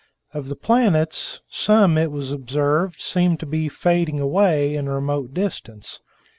Of the planets, some, it was observed, seemed to be fading away in remote distance.